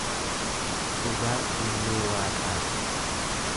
Dhugaan ilmee Waaqaa ti.